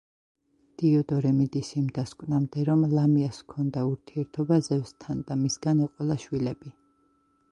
დიოდორე მიდის იმ დასკვნამდე, რომ ლამიას ჰქონდა ურთიერთობა ზევსთან და მისგან ეყოლა შვილები.